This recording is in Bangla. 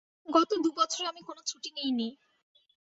গত দু বছরে আমি কোনো ছুটি নিই নি।